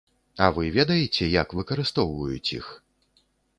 А вы ведаеце, як выкарыстоўваюць іх?